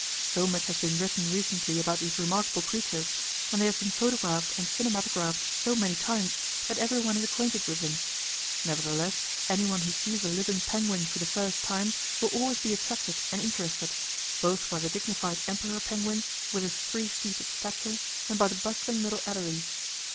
So much has been written recently about these remarkable creatures, and they have been photographed and cinematographed so many times, that everyone is acquainted with them. Nevertheless, anyone who sees a living penguin for the first time will always be attracted and interested, both by the dignified Emperor penguin, with his three feet of stature, and by the bustling little Adelie.